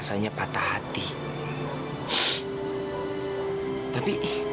yang lelaki hidup